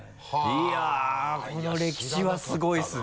いやこの歴史はすごいですね。